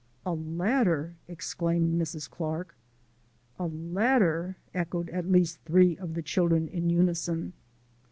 "A letter!" exclaimed Mrs. Clark. "A letter!" echoed at least three of the children in unison.